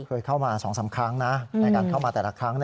เคยเข้ามา๒๓ครั้งนะในการเข้ามาแต่ละครั้ง